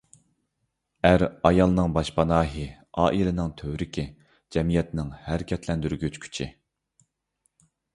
ئەر – ئايالنىڭ باشپاناھى، ئائىلىنىڭ تۈۋرۈكى، جەمئىيەتنىڭ ھەرىكەتلەندۈرگۈچ كۈچى.